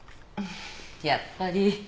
やっぱり。